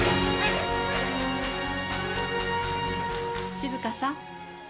静香さん。